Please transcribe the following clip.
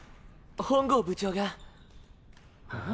本郷部長が。